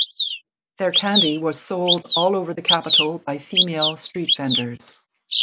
Their candy was sold all over the capital by female street vendors.